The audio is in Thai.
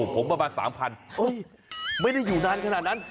ผมประมาณ๓๐๐ไม่ได้อยู่นานขนาดนั้น